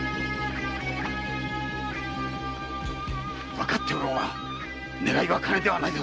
分かっておろうがねらいは金ではないぞ。